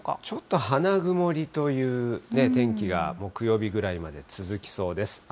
ちょっと花曇りという天気が、木曜日ぐらいまで続きそうです。